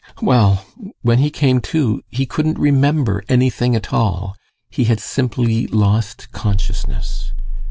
GUSTAV. Well when he came to he couldn't remember anything at all. He had simply lost consciousness.